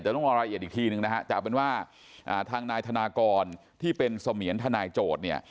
แต่ต้องรอรายละเอียดอีกทีนึงนะฮะแต่เอาเป็นว่าทางนายธนากรที่เป็นเสมียนทนายโจทย์เนี่ย